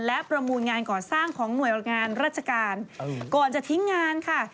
และประมูลงานก่อสร้างของหน่วยงานราชการก่อนจะทิ้งงานค่ะ